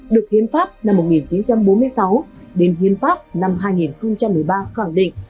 được hiến pháp năm một nghìn chín trăm bốn mươi sáu đến hiến pháp năm hai nghìn một mươi ba khẳng định